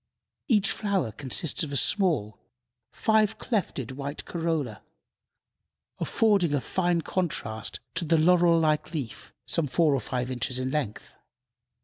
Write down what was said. Each flower consists of a small, five clefted white corolla, affording a fine contrast to the laurel like leaf, some four or five inches in length.